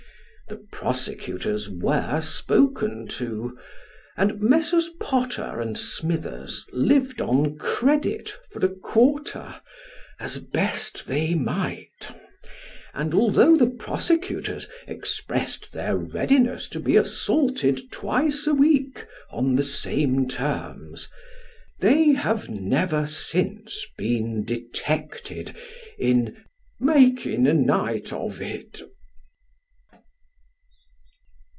The prosecutors were spoken to, and Messrs. Potter and Smithers lived on credit, for a quarter, as best they might ; and, although the prosecutors expressed their readiness to be assaulted twice a week, on the same terms, they have never since been detected in " making a night of it."